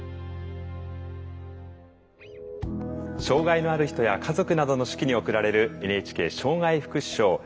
障害のある人や家族などの手記に贈られるＮＨＫ障害福祉賞。